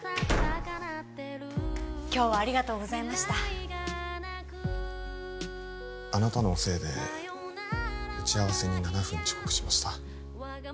今日はありがとうございましたあなたのせいで打ち合わせに７分遅刻しました